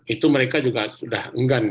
itu mereka juga sudah enggan